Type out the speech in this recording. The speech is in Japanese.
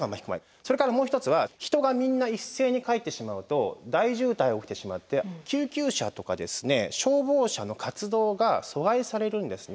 それからもう一つは人がみんな一斉に帰ってしまうと大渋滞が起きてしまって救急車とかですね消防車の活動が阻害されるんですね。